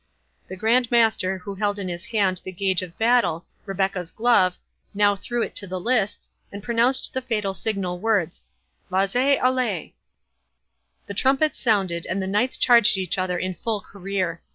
The Grand Master, who held in his hand the gage of battle, Rebecca's glove, now threw it into the lists, and pronounced the fatal signal words, "Laissez aller". The trumpets sounded, and the knights charged each other in full career.